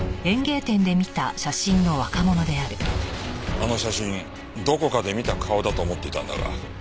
あの写真どこかで見た顔だと思っていたんだが。